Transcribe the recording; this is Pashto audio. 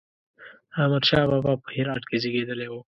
احمد شاه بابا په هرات کې زېږېدلی و